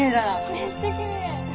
めっちゃきれい！